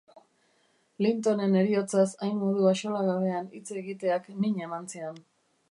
Lintonen heriotzaz hain modu axolagabean hitz egiteak min eman zion.